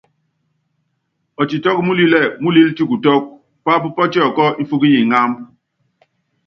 Ɔtitɔ́k múlilɛ́ múlilɛ́ tikutɔ́k pááp pɔ́tiɔkɔ́ mfɔ́k yi ŋámb.